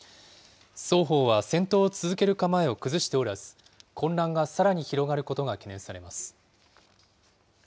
双方は戦闘を続ける構えを崩しておらず、混乱がさらに広がることが懸念されます。